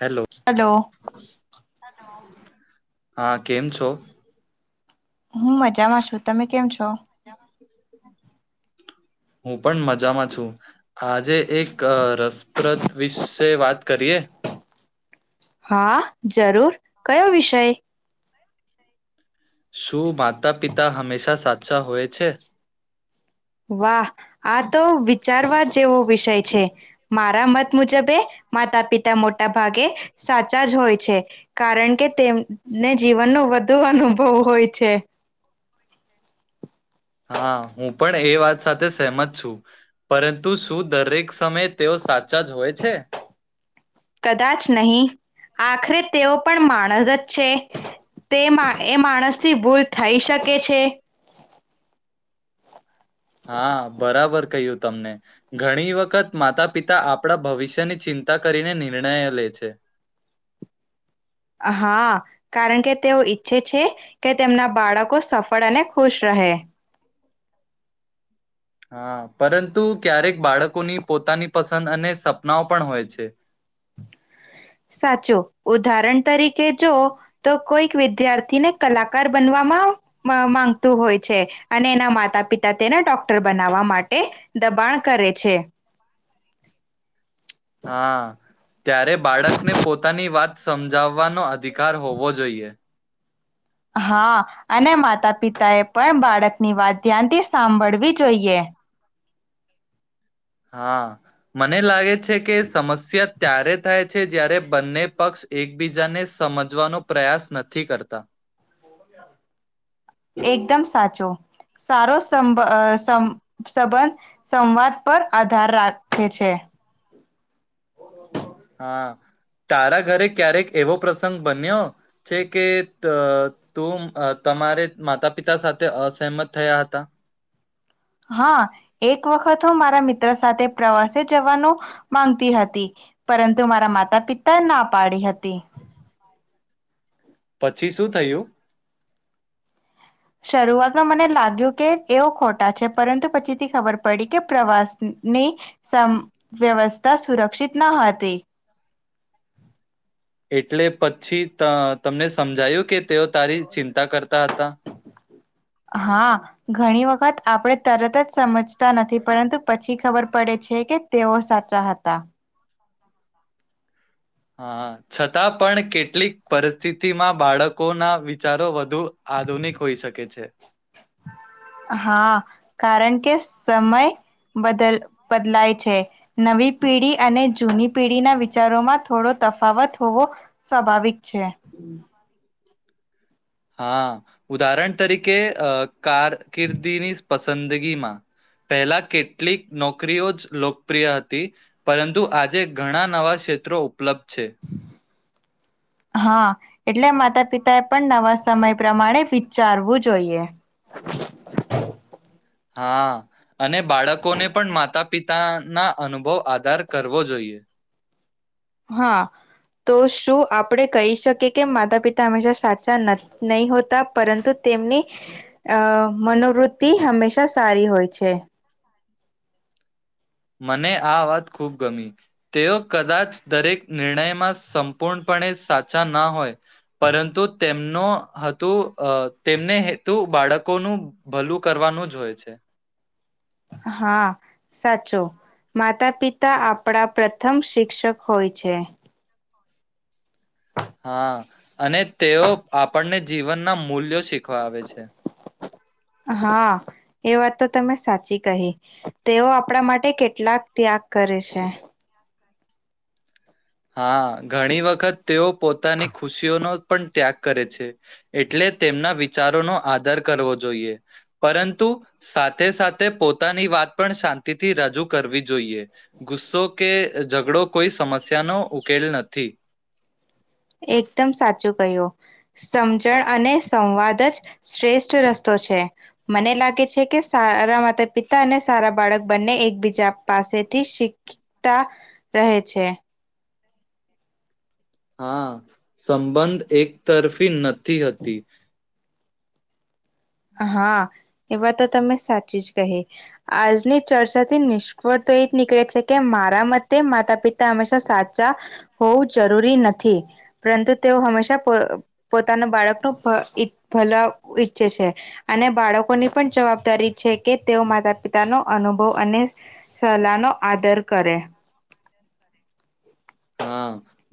Hello hello. હા કેમ છો. હું મજામાં છું તમે કેમ છો. હું પણ મજામાં છું આજે એક રસપ્રદ વિશે વાત કરીએ. હા જરૂર કયો વિષય. શું માતા પિતા હંમેશા સાચા હોય છે. વાહ આ તો વિચારવા જેવો વિષય છે મારા મત મુજબે માતા પિતા મોટા ભાગે સાચા જ હોય છે કારણ કે તેમને જીવનનો વધુ અનુભવ હોય છે. હા હું પણ એ વાત સાથે સહમત છું પરંતુ શું દરેક સમયે તેઓ સા કદાચ નહી આખરે. તેઓ પણ માણસ જ છે તે એ માણસથી ભૂલ થઈ શકે છે. હા બરાબર કહ્યું તમને ઘણી વખત માતા પિતા આપણા ભવિષ્યની ચિંતા કરીને નિર્ણય લે છે. હા કારણ કે તેઓ ઈચ્છે છે કે તેમના બાળકો સફળ અને ખુશ રહે. હા પરંતુ ક્યારેક બાળકોની પોતાની પસંદ અને સપનાઓ પણ હોય છે. સાચું ઉદાહરણ તરીકે જો તો કોઈક વિદ્યાર્થીને કલાકાર બનવામાં માંગતું હોય છે અને એના માતા પિતા તેને ડોક્ટર બનાવા માટે દબાણ કરે છે. હા ત્યારે બાળકને પોતાની વાત સમજાવવાનો અધિકાર હોવો જોઈએ. હા અને માતા પિતાએ પણ બાળકની વાત ધ્યાનથી સાંભળવી જોઈએ. હા મને લાગે. છે કે સમસ્યા. ત્યારે થાય છે જ્યારે બંને પક્ષ એકબીજાને સમજવાનો પ્રયાસ નથી કરતા. એકદમ સાચો સારો સં સવર સંવાદ પર આધાર રાખે છે. હા તારા ઘરે ક્યારેક એવો પ્રસંગ બન્યો છે કે તું તમારે માતા પિતા સાથે અસહમત થયા હતા. હા એક વખત હું મારા મિત્ર સાથે પ્રવાસે જવાનું માંગતી હતી પરંતુ મારા માતા પિતા ના પાડી હતી. પછી શું થયું. શરૂઆતમાં મને લાગ્યું કે એઓ ખોટા છે પરંતુ પછીથી ખબર પડી કે પ્રવાસની સમ વ્યવસ્થા સુરક્ષિત ન હતી. એટલે પછી તમને સમજાયું કે તેઓ તારી ચિંતા કરતા હતા. હા ઘણી વખત. આપણે તરત જ સમજતા નથી પરંતુ પછી ખબર પડે છે કે તેઓ સાચા હતા. હા છતાં પણ કેટલીક પરિસ્થિતિમાં બાળકોના વિચારો વધુ આધુનિક હોઈ શકે છે. હા કારણ કે સમય બદલાય છે નવી પેઢી અને જૂની પેઢીના વિચારોમાં થોડો તફાવત હોવો સ્વાભાવિક છે. હા ઉદાહરણ તરીકે કારકિર્દીની પસંદગીમાં પહેલા કેટલીક નોકરીઓ જ લોકપ્રિય હતી પરંતુ આજે ઘણા નવા ક્ષેત્રો ઉપલબ્ધ છે. હા એટલે માતા પિતાએ પણ નવા સમય પ્રમાણે વિચારવું જોઈએ. હા અને બાળકોને પણ માતા પિતાના અનુભવ આધાર કરવો જોઈએ. હા તો શું આપણે કહી શકીએ કે માતા પિતા હંમેશા સાચા નહી હોતા પરંતુ તેમની અ મનોવૃત્તિ હંમેશા સારી હોય છે. મને આ વાત ખૂબ ગમી તેઓ કદાચ દરેક નિર્ણયમાં સંપૂર્ણપણે સાચા ના હોય પરંતુ તેમનો હતું તેમને હેતુ બાળકોનું ભલું કરવાનું જ હોય છે. હા સાચો માતા પિતા આપણા પ્રથમ શિક્ષક હોય છે. હા અને તેઓ આપણને જીવનના. મૂલ્યો શીખવા વાવે છે. હા એ વાત તો તમે સાચી કહી તેઓ આપણા માટે કેટલાક ત્યાગ કરે છે. હા ઘણી વખત તેઓ પોતાની ખુશીઓનો પણ ત્યાગ કરે છે એટલે તેમના વિચારોનો આદર કરવો જોઈએ પરંતુ સાથે સાથે પોતાની વાત પણ શાંતિથી રજૂ કરવી જોઈએ ગુસ્સો કે ઝઘડો કોઈ સમસ્યા તેનો ઉકેલ નથી. એકદમ સાચું કહ્યું સમજણ અને સંવાદ જ શ્રેષ્ઠ રસ્તો છે મને લાગે છે કે સારા માતા-પિતા અને સારા બાળક બંને એકબીજા પાસેથી શીખતા રહે છે. હા સંબંધ એક તરફી ન થી હતી. હા એવા તો તમે સાચી જ કહી. આજની ચર્ચા થી નિષ્ફળ તો એ જ નીકળે છે કે મારા મતે માતા પિતા હંમેશા સાચા હોવું જરૂરી નથી પરંતુ તેઓ હંમેશા પોતાના બાળકનું ભલ ઈચ્છે છે અને બાળકોની પણ જવાબદારી છે કે તેઓ માતા પિતાનો અનુભવ અને સલાહનો આદર કરે. હા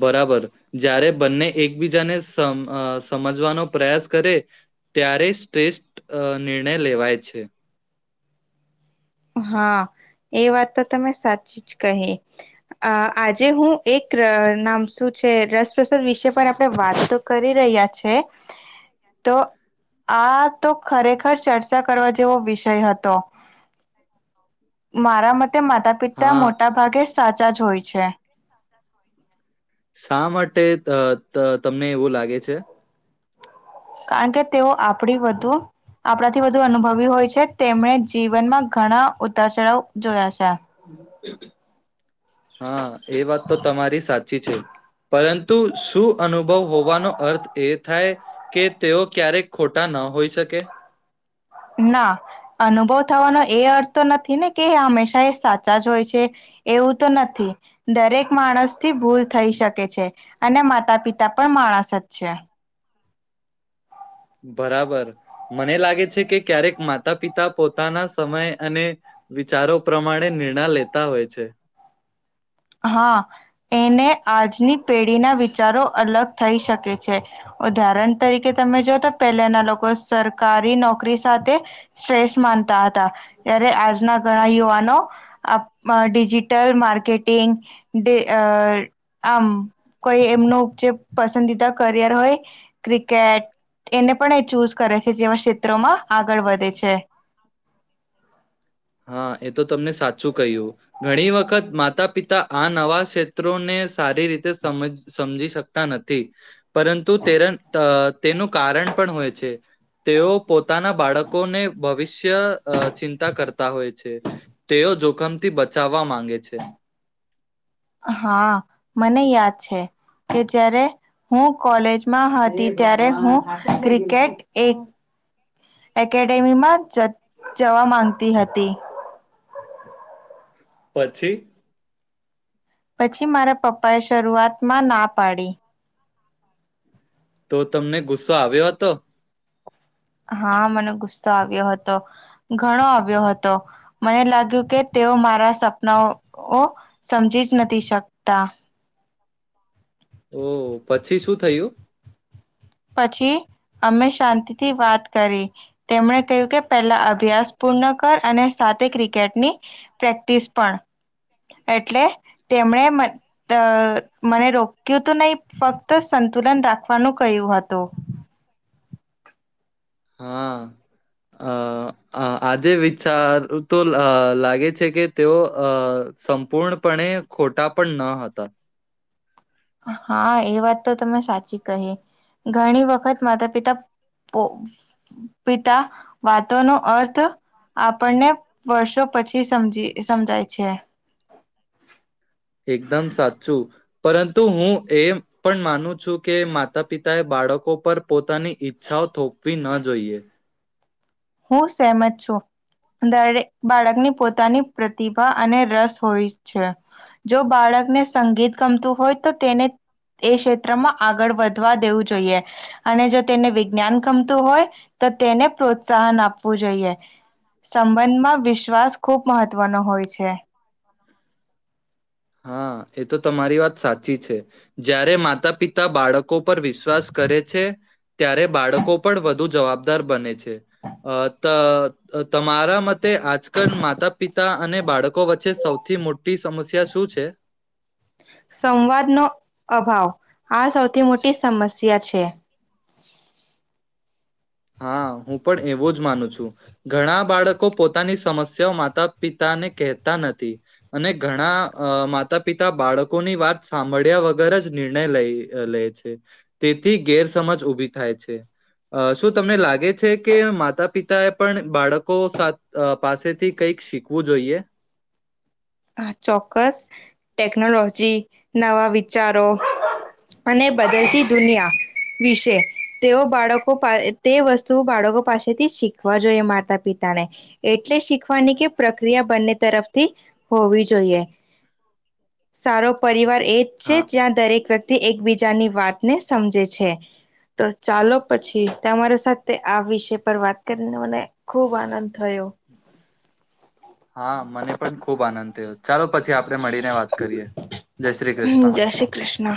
બરાબર જ્યારે બંને એકબીજાને સમ સમજવાનો પ્રયાસ કરે ત્યારે શ્રેષ્ઠ નિર્ણય લેવાય છે. હા એ વાત તો તમે સાચી જ કહી આજે હું એક નામ શું છે રસપ્રસાદ વિશે પર આપણે વાત તો કરી રહ્યા છે તો આ તો ખરેખર ચર્ચા કરવા જેવો વિષય હતો. મારા મત તે માતા પિતા હા મોટા ભાગે સાચા જ હોય છે. શા માટે તમને એવું લાગે છે? કારણ કે તેઓ આપણી વધુ આપણાથી વધુ અનુભવી હોય છે તેમણે જીવનમાં ઘણા ઉતારચળાઓ જોયા છે. હા એ વાત તો તમારી સાચી છે પરંતુ શું અનુભવ હોવાનો અર્થ એ થાય કે તેઓ ક્યારેક ખોટા ન હોઈ શકે? ના અનુભવ થવાનો એ અર્થ તો નથી ને કે હંમેશા એ સાચા જ હોય છે એવું તો નથી દરેક માણસ થી ભૂલ થઈ શકે છે અને માતા પિતા પણ માણસ જ છે. બરાબર મને લાગે છે કે ક્યારેક માતા પિતા પોતાના સમય અને વિચારો પ્રમાણે નિર્ણય લેતા હોય છે. હા એને આજની પેઢીના વિચારો અલગ થઈ શકે છે ઉદાહરણ તરીકે તમે જો તો પહેલાના લોકો સરકારી નોકરી સાથે સ્ટ્રેસ માનતા હતા ત્યારે આજના ઘણા યુવાનો ડિજિટલ માર્કેટ આમ કોઈ એમનું જે પસંદીદા કરિયર હોય ક્રિકેટ એને પણ એ ચૂઝ કરે છે જેમાં ક્ષેત્રોમાં આગળ વધે છે. હા એ તો તમને સાચું કહ્યું ઘણી વખત માતા પિતા આ નવા ક્ષેત્રોને સારી રીતે સમ સમજી શકતા નથી પરંતુ તે તેનું કારણ પણ હોય છે તેઓ પોતાના બાળકોને ભવિષ્ય ચિંતા કરતા હોય છે તેઓ જોખમથી બચાવવા માંગે છે. હા મને યાદ છે કે જારે હું કોલેજમાં હતી ત્યારે હું ક્રિકેટ એક એકેડેમીમાં જવા માંગતી હતી. પછી? પછી મારા પપ્પા એ શરૂઆતમાં ના પાડી. તો તમને ગુસ્સો આવ્યો હતો? હા મને ગુસ્સો આવ્યો હતો ઘણો આવ્યો હતો મને લાગ્યું કે તેઓ મારા સપનાઓ સમજી જ નથી શકતા. ઓ પછી શું થયું? પછી અમે શાંતિથી વાત કરી તેમણે કહ્યું કે પહેલા અભ્યાસ પૂર્ણ કર અને સાથે ક્રિકેટની પ્રેક્ટિસ પણ એટલે તેમણે મને રોક્યું તો નહી ફક્ત સંતુલન રાખવાનું કહ્યું હતું. તો. હા અ આજે વિચારું તો લાગે છે કે તેઓ અ સંપૂર્ણપણે ખોટા પણ ન હતા. હા એ વાત તો તમે સાચી કહી ઘણી વખત માતા પિતા પિતા વાતો નો અર્થ આપણને વર્ષો પછી સમજી સમજાય છે. એકદમ સાચું. પરંતુ હું એ પણ માનું છું કે માતા પિતાએ બાળકો પર પોતાની ઈચ્છાઓ થોપવી ન જોઈએ. હું સમત છું દરેક બાળકની પોતાની પ્રતિભા અને રસ હોય છે જો બાળકને સંગીત ગમતું હોય તો તેને એ ક્ષેત્રમાં આગળ વધવા દેવું જોઈએ અને જો તેને વિજ્ઞાન ગમતું હોય તો તેને પ્રોત્સાહન આપવું જોઈએ. સંબંધમાં વિશ્વાસ ખૂબ મહત્વનો હોય છે. હા એ તો તમારી વાત સાચી છે. જ્યારે માતા પિતા બાળકો કો પર વિશ્વાસ કરે છે ત્યારે બાળકો પણ વધુ જવાબદાર બને છે. અ તમારા મતે આજકાલ માતા પિતા અને બાળકો વચ્ચે સૌથી મોટી સમસ્યા શું છે છે? સંવાદ નો અભાવ આ સૌથી મોટી સમસ્યા છે. હા હું પણ એવું જ માનું છું. ઘણા બાળકો પોતાની સમસ્યાઓ માતા પિતાને કહેતા નથી અને ઘણા માતા પિતા બાળકોની વાત સાંભળ્યા વગર જ નિર્ણય લઈ લે છે તેથી ગેરસમજ ઉભી થાય છે. શું તમને લાગે છે. કે માતા પિતા એ પણ બાળકો પાસેથી કઈક શીખવું જોઈએ? ચોક્કસ ટેકનોલોજી નવા વિચારો અને બદલતી દુનિયા વિશે તેઓ બાળકો તે વસ્તુ બાળકો પાસેથી શીખવા જોઈએ. માતા પિતાને એટલે શીખવાની કે પ્રક્રિયા બંને તરફથી હોવી જોઈએ સારો પરિવાર એ છે હા જ્યાં દરેક વ્યક્તિ એક એકબીજાની વાતને સમજે છે તો ચાલો પછી તમારી સાથે આ વિષય પર વાત કરીને મને ખૂબ આનંદ થયો. હા મને પણ ખુબ આનંદ થયો ચાલો પછી આપણે મળીને વાત કરીએ જય શ્રી કૃષ્ણ. જય શ્રી કૃષ્ણ